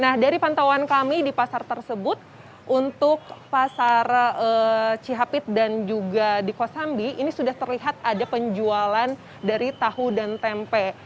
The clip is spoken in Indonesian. nah dari pantauan kami di pasar tersebut untuk pasar cihapit dan juga di kosambi ini sudah terlihat ada penjualan dari tahu dan tempe